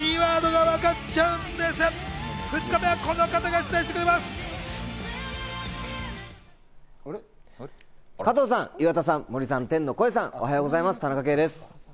２日目はこの方が出題してくれます。